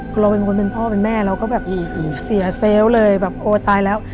คือเราเป็นคนเป็นพ่อเป็นแม่เราก็แบบเสียเซลล์เลยแบบโอ้ตายแล้ว